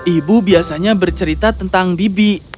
ibu biasanya bercerita tentang bibi